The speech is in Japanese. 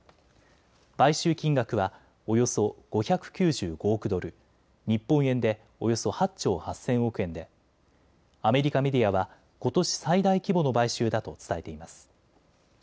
買収金額はおよそ５９５億ドル、日本円でおよそ８兆８０００億円でアメリカメディアはことし最大規模の買収だと伝えています。